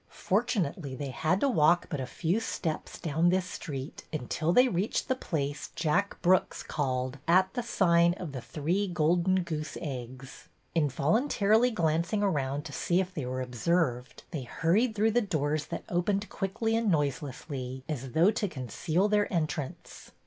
Fortunately, they had to walk but a few steps down this street until they reached the place Jack Brooks called At the Sign of the Three Golden Goose Eggs." Involuntarily glancing around to see if they were observed, they hurried through the doors that opened quickly and noiselessly, as though to conceal their entrance.